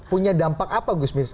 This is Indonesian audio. punya dampak apa gus miss